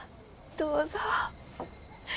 どうぞ。